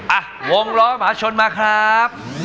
อ่ะวงล้อมหาชนมาครับ